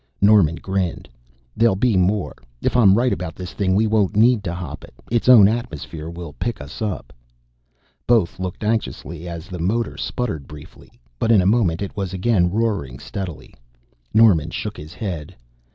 Norman grinned. "There'll be more. If I'm right about this thing we won't need to hop it its own atmosphere will pick us up." Both looked anxious as the motor sputtered briefly. But in a moment it was again roaring steadily. Norman shook his head.